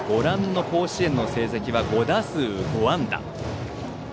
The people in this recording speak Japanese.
甲子園の成績は５打数５安打。